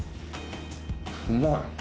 うまい。